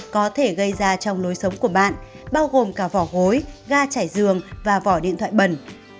có thể gây ra trong lối sống của bạn bao gồm cả vỏ gối ga chảy dường và vỏ điện thoại bẩn